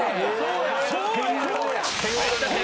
そうや！